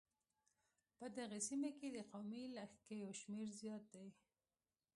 په دغې سيمې کې د قومي لږکيو شمېر زيات دی.